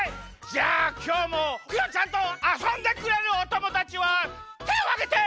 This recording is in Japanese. じゃあきょうもクヨちゃんとあそんでくれるおともだちはてをあげて！